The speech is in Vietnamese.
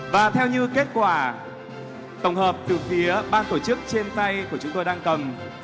và theo như kết quả tổng hợp từ phía ban tổ chức trên tay của chúng tôi đang cần